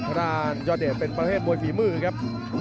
ข้างหน้ายอดเดชเป็นประเภทมวยฝีมือครับ